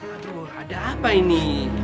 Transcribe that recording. aduh ada apa ini